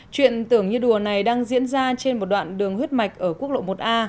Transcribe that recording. chuyện tưởng như đùa này đang diễn ra trên một đoạn đường huyết mạch ở quốc lộ một a